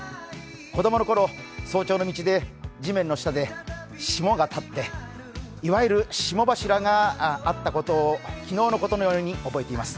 子供のころ、早朝の道で地面の下で霜が立っていわゆる霜柱があったことを昨日のことのように覚えています。